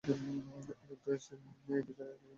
একেক দেশে এই অধিকার বিষয়ক আইন একেক রকম।